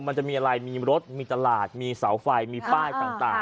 มันจะมีอะไรมีรถมีตลาดมีเสาไฟมีป้ายต่าง